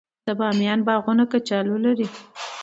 د بامیان باغونه کچالو لري.